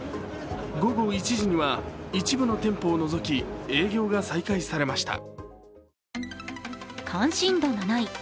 午後１時には一部の店舗を除き営業が再開されました。